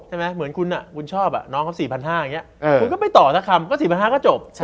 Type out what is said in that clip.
ใช่ไหมเหมือนคุณอะคุณชอบอะน้องครับ๔๕๐๐อย่างเงี้ยคุณก็ไปต่อ๑คำก็๔๕๐๐ก็จบ